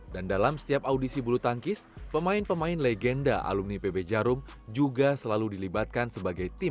dan dalam setiap audisi bulu tangkis pemain pemain legenda alumni pb jarum juga selalu dilibatkan sebagai tim